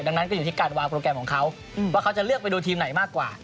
ดังนั้นก็อยู่ที่การวางโปรแกรมของเขาว่าเขาจะเลือกไปดูทีมไหนมากกว่า